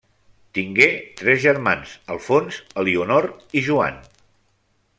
Tingué tres germans, Alfons, Elionor i Joan.